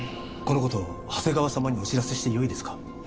この事を長谷川様にお知らせしてよいですか？